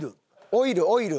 オイルオイル。